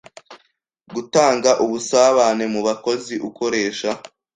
gutanga ubusabane mu bakozi ukoresha